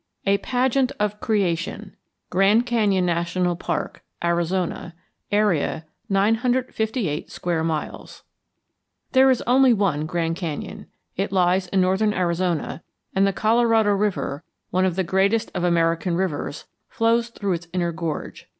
XVI A PAGEANT OF CREATION GRAND CANYON NATIONAL PARK, ARIZONA. AREA, 958 SQUARE MILES There is only one Grand Canyon. It lies in northern Arizona, and the Colorado River, one of the greatest of American rivers, flows through its inner gorge.